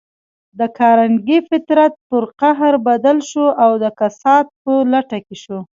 د کارنګي فطرت پر قهر بدل شو او د کسات په لټه کې شو.